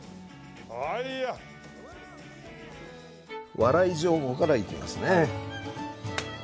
「笑い上戸」からいきますね。